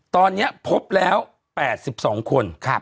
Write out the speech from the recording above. ตอนนี้พบแล้ว๘๒คน